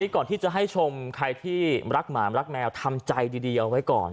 ก่อนที่จะให้ชมใครที่รักหมารักแมวทำใจดีเอาไว้ก่อน